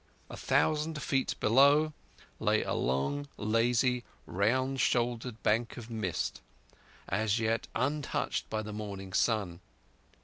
A thousand feet below lay a long, lazy, round shouldered bank of mist, as yet untouched by the morning sun.